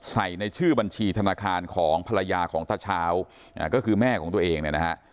ใส่ในชื่อบัญชีธนาคารของภรรยาของต้าเช้าก็คือแม่ของตัวเองนะครับ